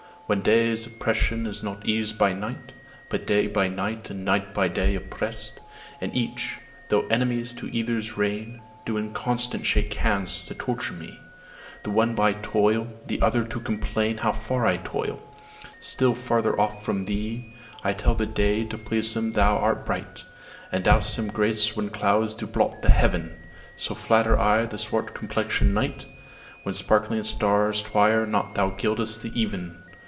When day's oppression is not eas'd by night, But day by night and night by day oppress'd, And each, though enemies to either's reign, Do in consent shake hands to torture me, The one by toil, the other to complain How far I toil, still farther off from thee. I tell the day, to please him thou art bright, And dost him grace when clouds do blot the heaven: So flatter I the swart complexion'd night, When sparkling stars twire not thou gild'st the even.